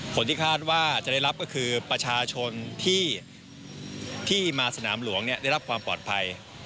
ผลที่คาดว่าจะได้รับก็คือประชาชนที่มาสนามหลวงได้รับความปลอดภัย